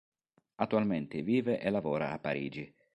Attualmente vive e lavora a Parigi.